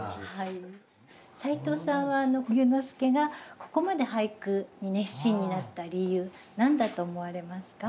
齋藤さんは龍之介がここまで俳句に熱心になった理由何だと思われますか？